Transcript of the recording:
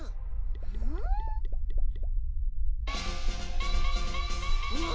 うん？うわ！